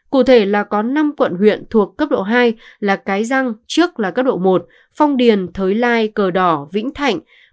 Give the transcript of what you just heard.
cụ thể là có năm quận huyện thuộc cấp độ hai là cái răng trước là cấp độ một phong điền thới lai cờ đỏ vĩnh thạnh